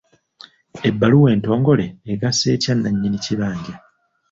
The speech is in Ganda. Ebbaluwa entongole egasa etya nnannyini kibanja?